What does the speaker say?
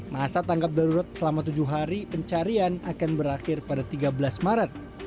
masa tanggap darurat selama tujuh hari pencarian akan berakhir pada tiga belas maret